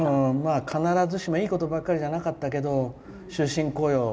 必ずしもいいことばかりじゃなかったけど終身雇用、